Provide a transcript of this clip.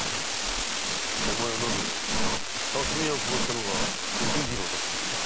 お前はなぜ巽屋を殺したのが時次郎だと知った？